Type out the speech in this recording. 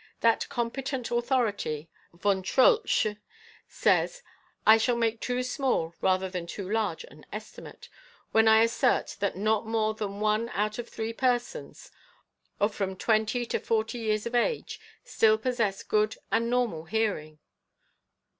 That competent authority, Yon Troltsch, says :\ I shall make too small rather than too large an estimate, when I assert that r<ot more than one out of three persons, of from twenty to forty years of age, still possess good and normal hearing.'